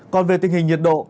còn về tình hình nhiệt độ